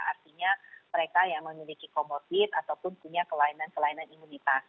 artinya mereka yang memiliki comorbid ataupun punya kelainan kelainan imunitas